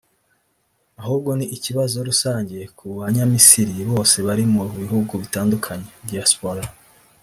ahubwo ni ikibazo rusange ku Banyamisiri bose bari mu bihugu bitandukanye (diaspora)